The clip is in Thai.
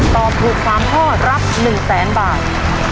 ตอบถูก๓ข้อรับ๑แสนบาท